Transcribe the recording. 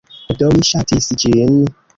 Do, mi ŝatis ĝin.